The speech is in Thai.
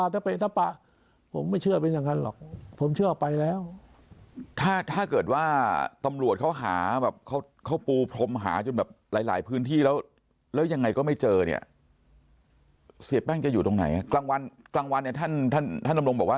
เขาจะนอนในถ้ำไหมไม่นอนใช่ไหม